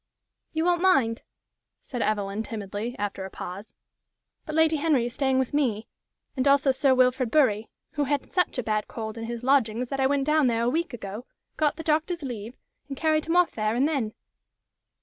"You won't mind," said Evelyn, timidly, after a pause; "but Lady Henry is staying with me, and also Sir Wilfrid Bury, who had such a bad cold in his lodgings that I went down there a week ago, got the doctor's leave, and carried him off there and then.